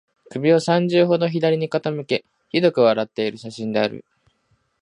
首を三十度ほど左に傾け、醜く笑っている写真である